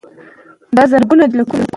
د خپلو خپلوانو سره رابطه کې اوسېدل پکار يي